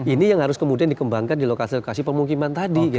ini yang harus kemudian dikembangkan di lokasi lokasi pemukiman tadi